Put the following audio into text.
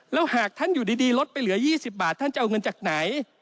แล้วหากท่านอยู่ดีลดไปเหลือ๒๐บาทท่านจะเอาเงินจากไหน